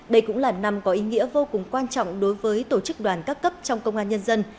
đây cũng là năm có ý nghĩa vô cùng quan trọng đối với tổ chức đoàn các cấp trong công an nhân dân